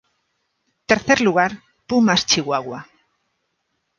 Tercer lugar: Pumas Chihuahua.